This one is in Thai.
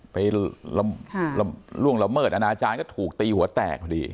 ล่วงละเมิดอนาจารย์ก็ถูกตีหัวแตกพอดี